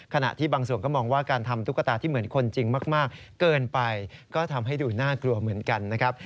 ขณะที่บางส่วนก็มองว่าการทำตุ๊กตาที่เหมือนคนจริงมากเกินไปก็ทำให้ดูน่ากลัวเหมือนกันนะครับ